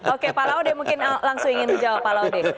oke pak laude mungkin langsung ingin menjawab pak laude